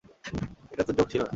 এটা তো জোক ছিল না।